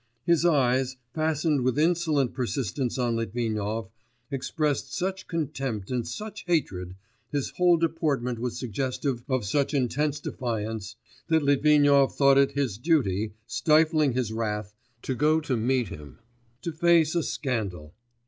His eyes, fastened with insolent persistence on Litvinov, expressed such contempt and such hatred, his whole deportment was suggestive of such intense defiance, that Litvinov thought it his duty, stifling his wrath, to go to meet him, to face a 'scandal.